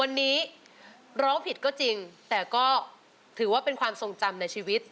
วันนี้ร้องผิดก็จริงแต่ก็ถือว่าเป็นความทรงจำในชีวิต